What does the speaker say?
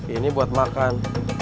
ini buat makan